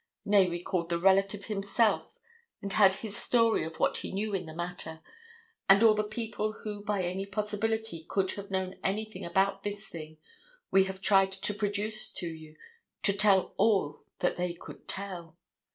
Nay, we called the relative himself and had his story of what he knew in the matter, and all the people who by any possibility could have known anything about this thing we have tried to produce to you to tell all that they could tell.